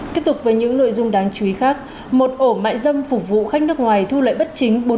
tiếp tục với những nội dung đáng chú ý khác một ổ mại dâm phục vụ khách nước ngoài thu lợi bất chính